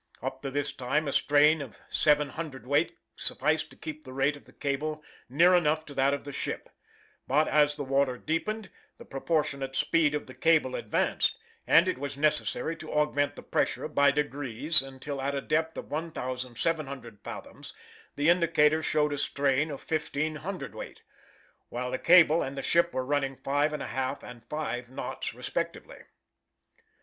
Up to this time a strain of 7 cwt. sufficed to keep the rate of the cable near enough to that of the ship; but as the water deepened the proportionate speed of the cable advanced, and it was necessary to augment the pressure by degrees until at a depth of 1,700 fathoms the indicator showed a strain of 15 cwt., while the cable and the ship were running five and a half and five knots respectively.